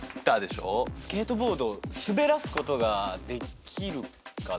スケートボード滑らすことができるか。